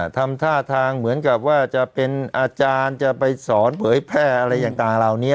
ทำท่าทางเหมือนกับว่าจะเป็นอาจารย์จะไปสอนเผยแพร่อะไรต่างเหล่านี้